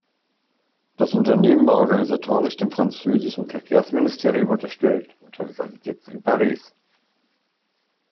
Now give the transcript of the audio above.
Das Unternehmen war organisatorisch dem französischen Verkehrsministerium unterstellt und hatte seinen Sitz in Paris.